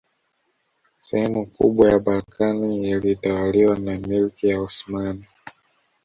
Sehemu kubwa ya Balkani ilitawaliwa na milki ya Osmani